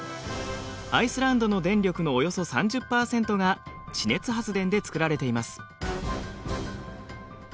アイスランドの電力のおよそ３０％が地熱発電で作られています。